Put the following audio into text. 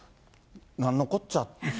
なんのこっちゃ。